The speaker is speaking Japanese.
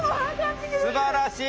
すばらしい！